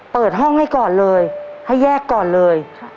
เปิดห้องให้ก่อนเลยให้แยกก่อนเลย